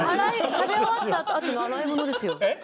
食べ終わったあとの洗い物です。